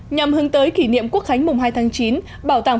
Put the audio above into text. nhằm hướng tới kỷ niệm quốc khánh mùng hai tháng chín